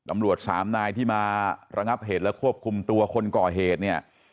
ตำรวจสามนายที่มาระงับเหตุและควบคุมตัวคนก่อเหตุเนี่ย